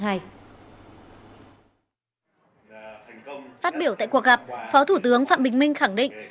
phát biểu tại cuộc gặp phó thủ tướng phạm bình minh khẳng định